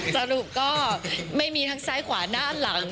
สรุปก็ไม่มีทั้งซ้ายขวาด้านหลัง